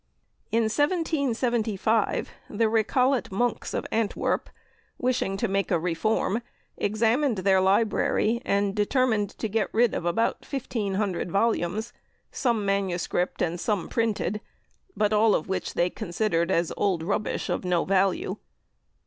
In 1775, the Recollet Monks of Antwerp, wishing to make a reform, examined their library, and determined to get rid of about 1,500 volumes some manuscript and some printed, but all of which they considered as old rubbish of no value.